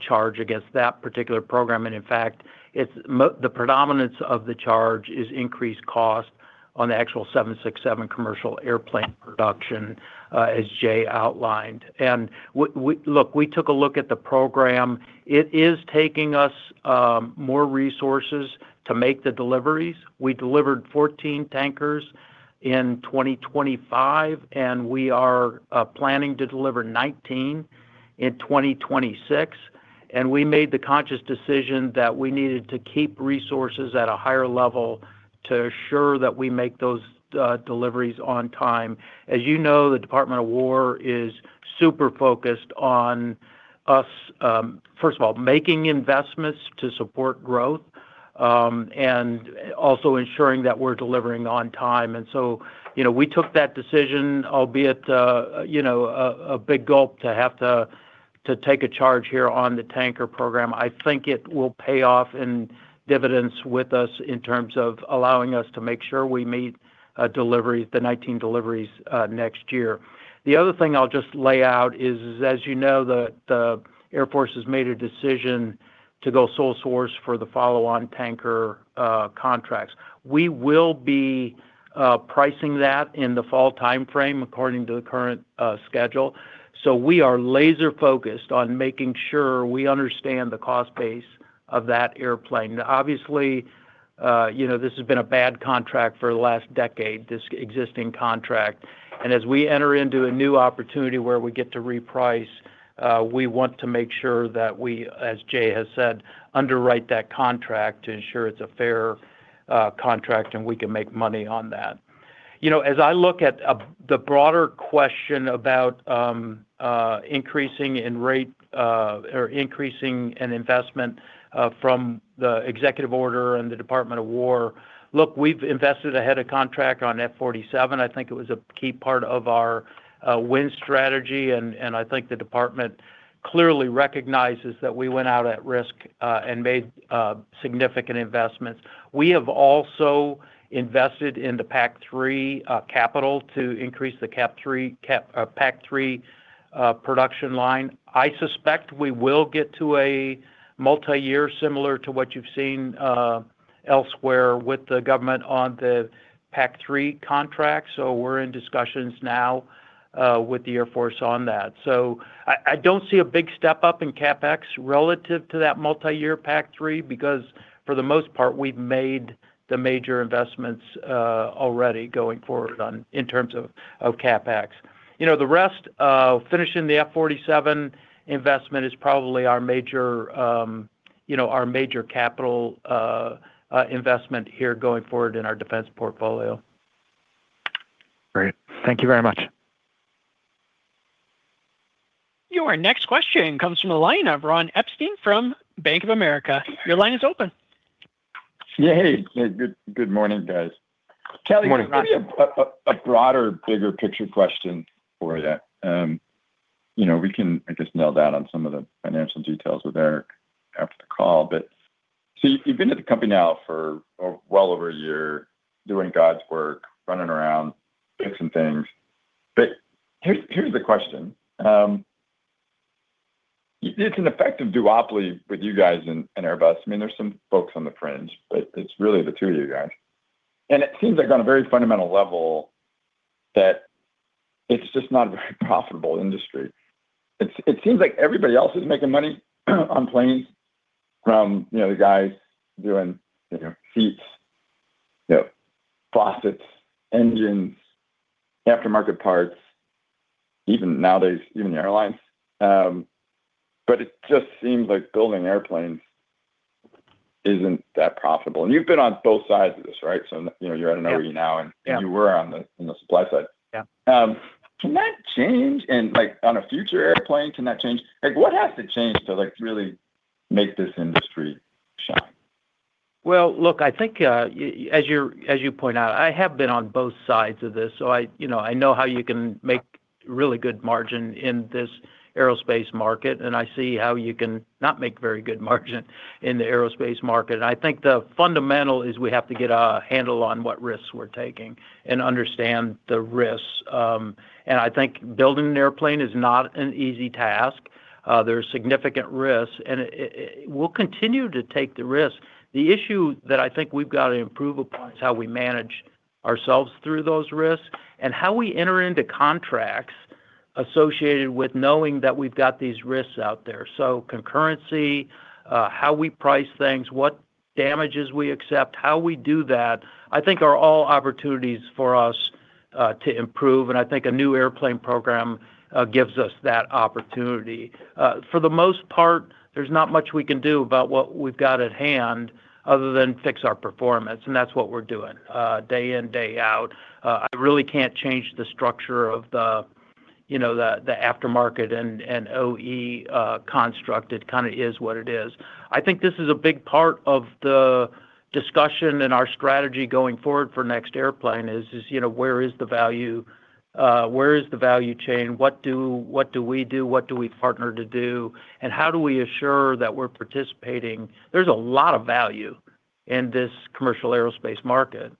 charge against that particular program. And in fact, the predominance of the charge is increased cost on the actual 767 commercial airplane production, as Jay outlined. And look, we took a look at the program. It is taking us more resources to make the deliveries. We delivered 14 tankers in 2025, and we are planning to deliver 19 in 2026. We made the conscious decision that we needed to keep resources at a higher level to assure that we make those deliveries on time. As you know, the U.S. Department of Defense is super focused on us, first of all, making investments to support growth and also ensuring that we're delivering on time. And so we took that decision, albeit a big gulp to have to take a charge here on the tanker program. I think it will pay off in dividends with us in terms of allowing us to make sure we meet the 19 deliveries next year. The other thing I'll just lay out is, as you know, the U.S. Air Force has made a decision to go sole source for the follow-on tanker contracts. We will be pricing that in the fall timeframe according to the current schedule. So we are laser-focused on making sure we understand the cost base of that airplane. Obviously, this has been a bad contract for the last decade, this existing contract. And as we enter into a new opportunity where we get to reprice, we want to make sure that we, as Jay has said, underwrite that contract to ensure it's a fair contract and we can make money on that. As I look at the broader question about increasing in rate or increasing an investment from the executive order and the Department of Defense, look, we've invested ahead of contract on CH-47. I think it was a key part of our win strategy. And I think the department clearly recognizes that we went out at risk and made significant investments. We have also invested in the PAC-3 capital to increase the PAC-3 production line. I suspect we will get to a multi-year similar to what you've seen elsewhere with the government on the PAC-3 contract. So we're in discussions now with the Air Force on that. So I don't see a big step up in CapEx relative to that multi-year PAC-3 because for the most part, we've made the major investments already going forward in terms of CapEx. The rest of finishing the CH-47 investment is probably our major capital investment here going forward in our defense portfolio. Great. Thank you very much. Your next question comes from a line of Ron Epstein from Bank of America. Your line is open. Yeah. Hey, good morning, guys. Kelly, we have a broader, bigger picture question for you. We can, I guess, nail down on some of the financial details with Eric after the call. But so you've been at the company now for well over a year doing God's work, running around, fixing things. But here's the question. It's an effective duopoly with you guys and Airbus. I mean, there's some folks on the fringe, but it's really the two of you guys. And it seems like on a very fundamental level that it's just not a very profitable industry. It seems like everybody else is making money on planes from the guys doing seats, faucets, engines, aftermarket parts, even nowadays, even the airlines. But it just seems like building airplanes isn't that profitable. And you've been on both sides of this, right? So you're at an OE now, and you were on the supply side. Can that change? And on a future airplane, can that change? What has to change to really make this industry shine? Well, look, I think as you point out, I have been on both sides of this. So I know how you can make really good margin in this aerospace market, and I see how you can not make very good margin in the aerospace market. And I think the fundamental is we have to get a handle on what risks we're taking and understand the risks. And I think building an airplane is not an easy task. There's significant risks, and we'll continue to take the risks. The issue that I think we've got to improve upon is how we manage ourselves through those risks and how we enter into contracts associated with knowing that we've got these risks out there. So concurrency, how we price things, what damages we accept, how we do that, I think are all opportunities for us to improve. I think a new airplane program gives us that opportunity. For the most part, there's not much we can do about what we've got at hand other than fix our performance. That's what we're doing day in, day out. I really can't change the structure of the aftermarket and OE construct. It kind of is what it is. I think this is a big part of the discussion and our strategy going forward for next airplane is where is the value? Where is the value chain? What do we do? What do we partner to do? And how do we assure that we're participating? There's a lot of value in this commercial aerospace market.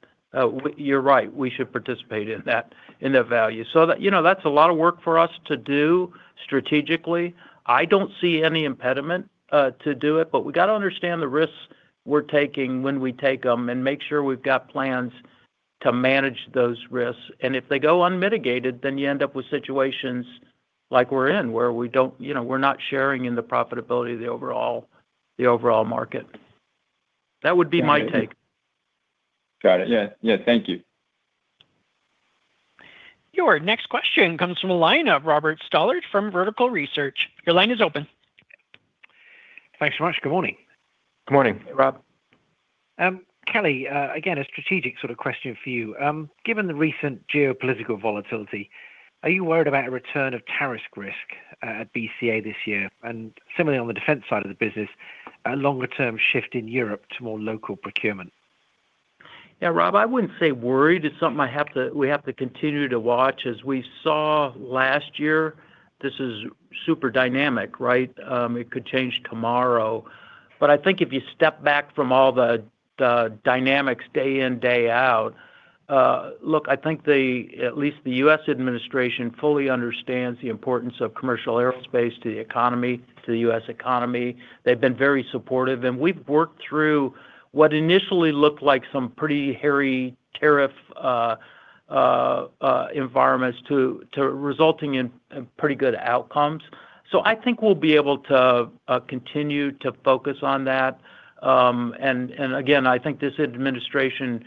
You're right. We should participate in that value. That's a lot of work for us to do strategically. I don't see any impediment to do it, but we got to understand the risks we're taking when we take them and make sure we've got plans to manage those risks. And if they go unmitigated, then you end up with situations like we're in where we're not sharing in the profitability of the overall market. That would be my take. Got it. Yeah. Yeah. Thank you. Your next question comes from a line of Robert Stallard from Vertical Research Partners. Your line is open. Thanks so much. Good morning. Good morning, Rob. Kelly, again, a strategic sort of question for you. Given the recent geopolitical volatility, are you worried about a return of tariff risk at BCA this year? And similarly, on the defense side of the business, a longer-term shift in Europe to more local procurement? Yeah, Rob, I wouldn't say worried. It's something we have to continue to watch. As we saw last year, this is super dynamic, right? It could change tomorrow. But I think if you step back from all the dynamics day in, day out, look, I think at least the U.S. administration fully understands the importance of commercial aerospace to the economy, to the U.S. economy. They've been very supportive. And we've worked through what initially looked like some pretty hairy tariff environments resulting in pretty good outcomes. So I think we'll be able to continue to focus on that. And again, I think this administration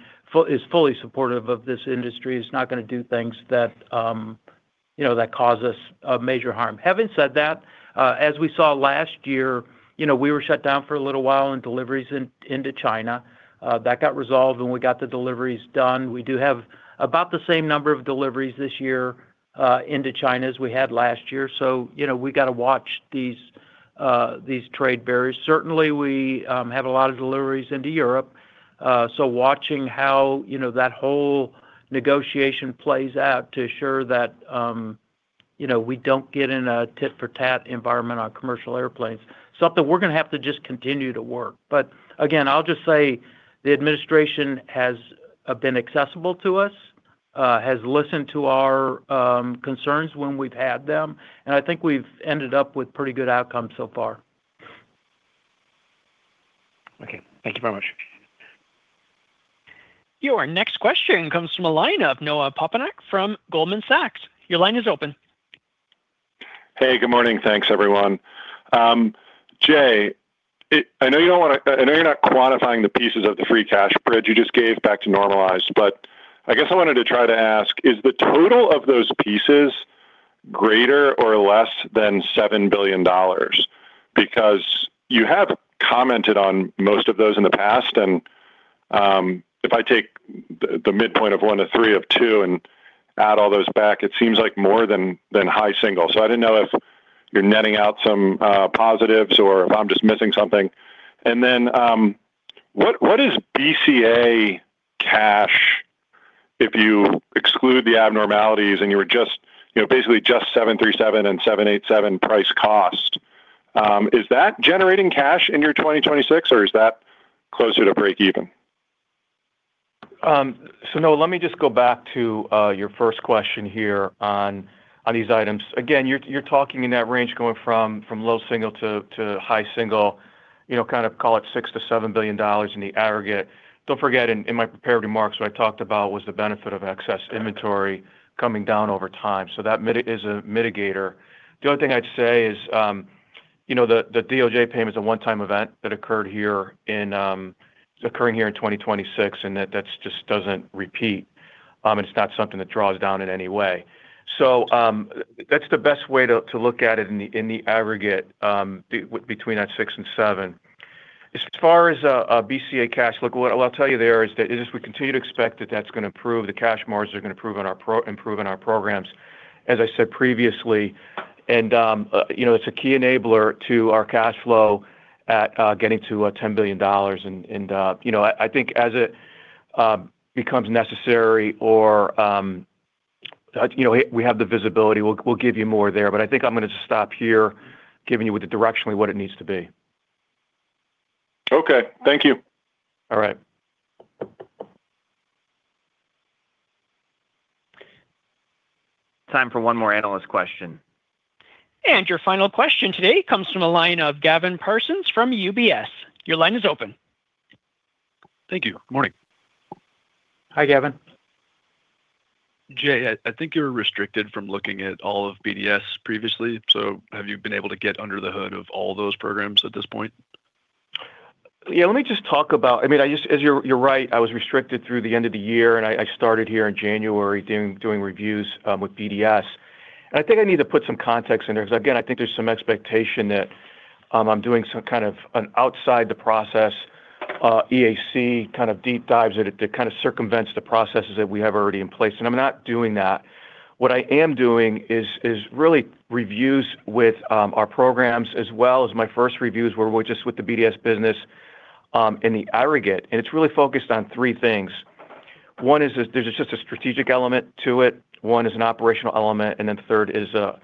is fully supportive of this industry. It's not going to do things that cause us major harm. Having said that, as we saw last year, we were shut down for a little while in deliveries into China. That got resolved, and we got the deliveries done. We do have about the same number of deliveries this year into China as we had last year. So we got to watch these trade barriers. Certainly, we have a lot of deliveries into Europe. So watching how that whole negotiation plays out to assure that we don't get in a tit-for-tat environment on commercial airplanes is something we're going to have to just continue to work. But again, I'll just say the administration has been accessible to us, has listened to our concerns when we've had them. And I think we've ended up with pretty good outcomes so far. Okay. Thank you very much. Your next question comes from a line of Noah Poponak from Goldman Sachs. Your line is open. Hey, good morning. Thanks, everyone. Jay, I know you don't want to. I know you're not quantifying the pieces of the free cash bridge you just gave back to normalize, but I guess I wanted to try to ask, is the total of those pieces greater or less than $7 billion? Because you have commented on most of those in the past. If I take the midpoint of 1-3 or 2 and add all those back, it seems like more than high single. So I didn't know if you're netting out some positives or if I'm just missing something. And then what is BCA cash if you exclude the abnormalities and you were just basically just 737 and 787 price cost? Is that generating cash in your 2026, or is that closer to break-even? So no, let me just go back to your first question here on these items. Again, you're talking in that range going from low single to high single, kind of call it $6 billion-$7 billion in the aggregate. Don't forget, in my prepared remarks, what I talked about was the benefit of excess inventory coming down over time. So that is a mitigator. The only thing I'd say is the DOJ payment is a one-time event that occurred here in 2026, and that just doesn't repeat. It's not something that draws down in any way. So that's the best way to look at it in the aggregate between that 6 and 7. As far as BCA cash, look, what I'll tell you there is that we continue to expect that that's going to improve. The cash margins are going to improve in our programs, as I said previously. And it's a key enabler to our cash flow at getting to $10 billion. And I think as it becomes necessary or we have the visibility, we'll give you more there. But I think I'm going to just stop here, giving you with the directionally what it needs to be. Okay. Thank you. All right. Time for one more analyst question. And your final question today comes from a line of Gavin Parsons from UBS. Your line is open. Thank you. Morning. Hi, Gavin. Jay, I think you're restricted from looking at all of BDS previously. So have you been able to get under the hood of all those programs at this point? Yeah. Let me just talk about, I mean, as you're right, I was restricted through the end of the year, and I started here in January doing reviews with BDS. And I think I need to put some context in there because, again, I think there's some expectation that I'm doing some kind of an outside-the-process EAC kind of deep dives to kind of circumvent the processes that we have already in place. And I'm not doing that. What I am doing is really reviews with our programs, as well as my first reviews where we're just with the BDS business in the aggregate. And it's really focused on three things. One is there's just a strategic element to it. One is an operational element. And then third is the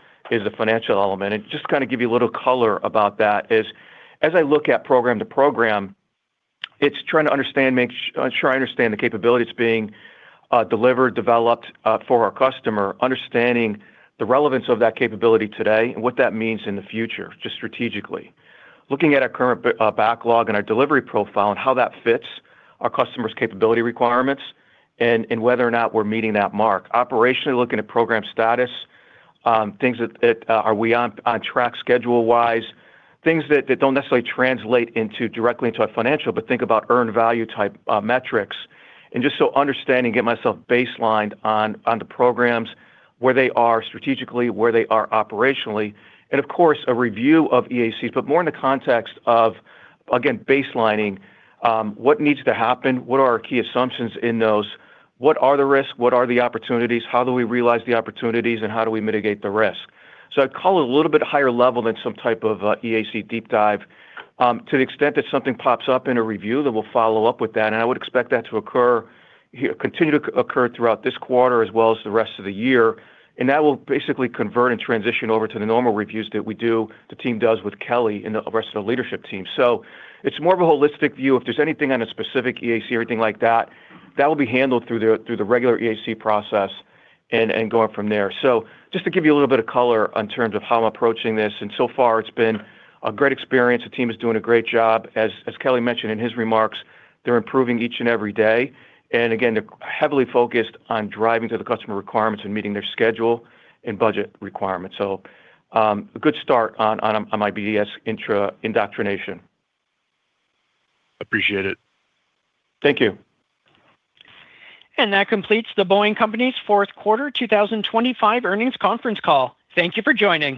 financial element. And just to kind of give you a little color about that, as I look at program to program, it's trying to understand, ensure I understand the capability that's being delivered, developed for our customer, understanding the relevance of that capability today and what that means in the future, just strategically. Looking at our current backlog and our delivery profile and how that fits our customer's capability requirements and whether or not we're meeting that mark. Operationally, looking at program status, things that are we on track schedule-wise, things that don't necessarily translate directly into our financial, but think about earned value type metrics. And just so understanding, get myself baselined on the programs, where they are strategically, where they are operationally. And of course, a review of EACs, but more in the context of, again, baselining what needs to happen, what are our key assumptions in those, what are the risks, what are the opportunities, how do we realize the opportunities, and how do we mitigate the risk. So I'd call it a little bit higher level than some type of EAC deep dive to the extent that something pops up in a review that we'll follow up with that. And I would expect that to continue to occur throughout this quarter as well as the rest of the year. And that will basically convert and transition over to the normal reviews that the team does with Kelly and the rest of the leadership team. So it's more of a holistic view. If there's anything on a specific EAC or anything like that, that will be handled through the regular EAC process and going from there. So just to give you a little bit of color in terms of how I'm approaching this. So far, it's been a great experience. The team is doing a great job. As Kelly mentioned in his remarks, they're improving each and every day. Again, they're heavily focused on driving to the customer requirements and meeting their schedule and budget requirements. So a good start on my BDS intro indoctrination. Appreciate it. Thank you. And that completes the Boeing Company's fourth quarter 2025 earnings conference call. Thank you for joining.